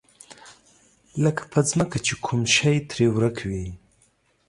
لکه په ځمکه چې کوم شی ترې ورک وي.